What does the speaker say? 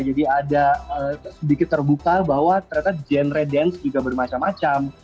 jadi ada sedikit terbuka bahwa ternyata genre dance juga bermacam macam